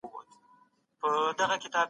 سياست پوهنه د بشري ژوند يوه بنسټيزه برخه ده.